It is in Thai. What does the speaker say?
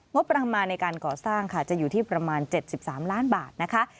งบประมาณในการก่อสร้างค่ะจะอยู่ที่ประมาณ๗๓ล้านบาทนะคะ